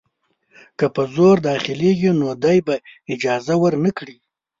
که په زور داخلیږي نو دی به اجازه ورنه کړي.